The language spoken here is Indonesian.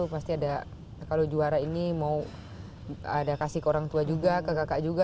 pasti ada kalau juara ini mau ada kasih ke orang tua juga ke kakak juga